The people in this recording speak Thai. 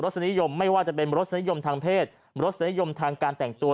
สนิยมไม่ว่าจะเป็นรสนิยมทางเพศรสนิยมทางการแต่งตัว